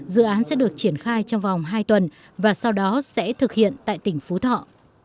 dự án sẽ được triển khai trong vòng hai tuần và sau đó sẽ thực hiện tại tỉnh phú thọ